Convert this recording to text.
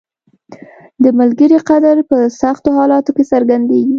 • د ملګري قدر په سختو حالاتو کې څرګندیږي.